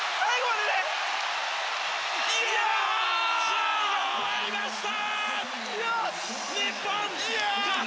試合が終わりました！